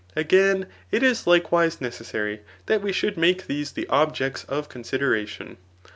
Again, it is likewise necessary that we should make these the objects of consideration.